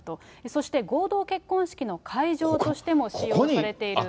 そして、合同結婚式の会場としても使用されている。